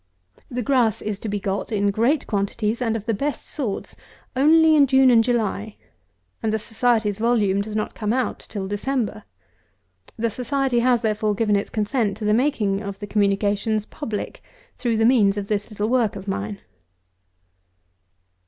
The grass is to be got, in great quantities and of the best sorts, only in June and July; and the Society's volume does not come out till December. The Society has, therefore, given its consent to the making of the communications public through the means of this little work of mine.